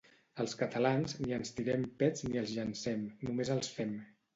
Els catalans ni ens tirem pets ni els llencem, només els fem